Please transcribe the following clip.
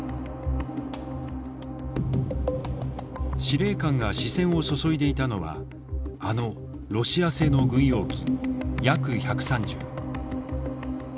司令官が視線を注いでいたのはあのロシア製の軍用機Ｙａｋ−１３０。